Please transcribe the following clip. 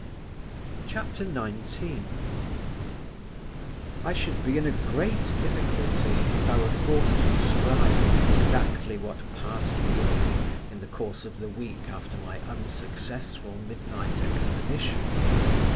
XIX I should be in a great difficulty, if I were forced to describe exactly what passed within me in the course of the week after my unsuccessful midnight expedition.